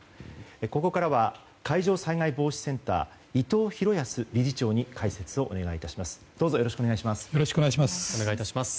ここからは海上災害防止センター伊藤裕康理事長に解説をお願い致します。